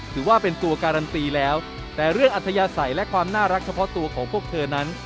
ถือว่าเป็นตัวการันตีแล้วแต่เรื่องอัธยาศัยและความน่ารักเฉพาะตัวของพวกเธอนั้น